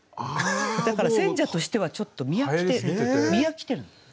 だから選者としてはちょっと見飽きてるの。